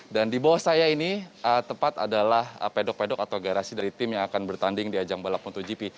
dan di bawah saya ini tepat adalah pedok pedok atau garasi dari tim yang akan bertanding di ajang balap motogp